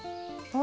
お！